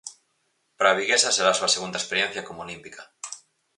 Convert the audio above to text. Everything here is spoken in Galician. Para a viguesa será a súa segunda experiencia como olímpica.